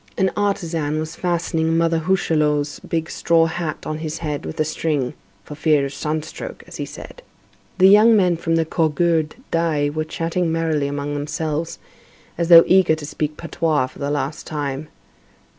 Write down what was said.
An artisan was fastening Mother Hucheloup's big straw hat on his head with a string, "for fear of sun stroke," as he said. The young men from the Cougourde d'Aix were chatting merrily among themselves, as though eager to speak patois for the last time.